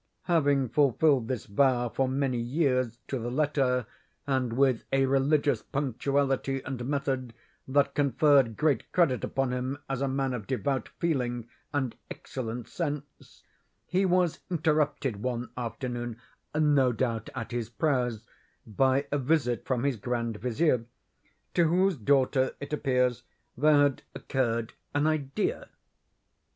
Having fulfilled this vow for many years to the letter, and with a religious punctuality and method that conferred great credit upon him as a man of devout feeling and excellent sense, he was interrupted one afternoon (no doubt at his prayers) by a visit from his grand vizier, to whose daughter, it appears, there had occurred an idea.